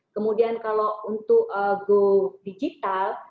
kemudian kalau untuk go digital